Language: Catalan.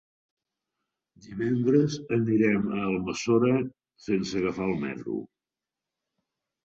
Divendres anirem a Almassora sense agafar el metro.